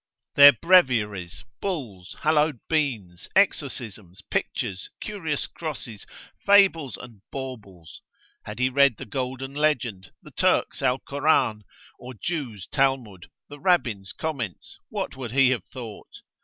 Their breviaries, bulls, hallowed beans, exorcisms, pictures, curious crosses, fables, and baubles. Had he read the Golden Legend, the Turks' Alcoran, or Jews' Talmud, the Rabbins' Comments, what would he have thought?